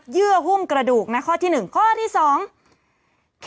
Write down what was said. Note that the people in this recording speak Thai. กรมป้องกันแล้วก็บรรเทาสาธารณภัยนะคะ